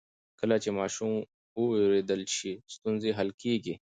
کله چې ماشوم واورېدل شي، ستونزې حل کېږي.